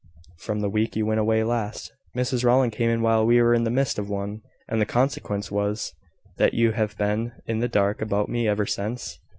"From the week you went away last. Mrs Rowland came in while we were in the midst of one; and the consequence was " "That you have been in the dark about me ever since.